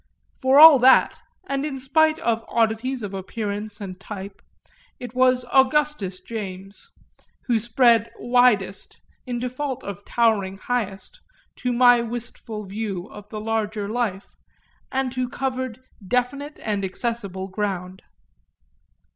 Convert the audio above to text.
For all that, and in spite of oddities of appearance and type, it was Augustus James who spread widest, in default of towering highest, to my wistful view of the larger life, and who covered definite and accessible ground.